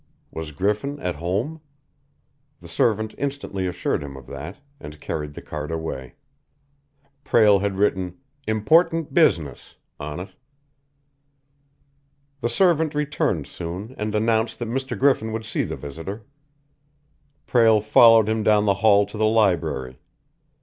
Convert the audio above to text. Was Griffin at home? The servant instantly assured him of that, and carried the card away. Prale had written "Important Business" on it. The servant returned soon and announced that Mr. Griffin would see the visitor. Prale followed him down the hall to the library.